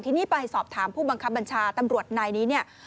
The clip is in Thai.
ทีนี้ไปสอบถามผู้บังคับบัญชาตำรวจนายนี้เนี่ย